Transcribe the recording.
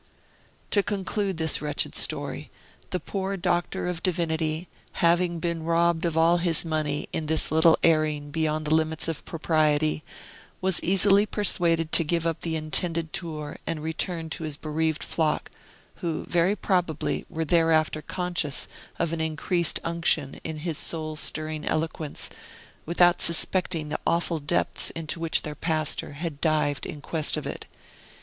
To conclude this wretched story, the poor Doctor of Divinity, having been robbed of all his money in this little airing beyond the limits of propriety, was easily persuaded to give up the intended tour and return to his bereaved flock, who, very probably, were thereafter conscious of an increased unction in his soul stirring eloquence, without suspecting the awful depths into which their pastor had dived in quest of it.